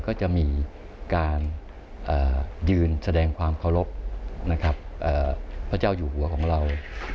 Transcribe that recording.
ก็จะมีการยืนแสดงความเคารพนะครับพระเจ้าอยู่หัวของเรา